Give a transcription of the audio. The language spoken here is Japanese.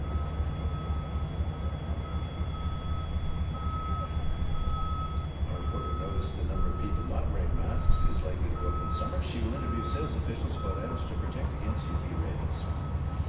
マスクを外す人も増えると見られるこの夏。